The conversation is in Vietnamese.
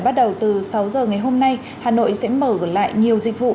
bắt đầu từ sáu giờ ngày hôm nay hà nội sẽ mở lại nhiều dịch vụ